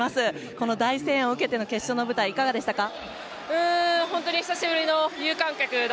この大声援を受けての決勝の舞台いかがでしたか？